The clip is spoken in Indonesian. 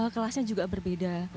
kelasnya juga berbeda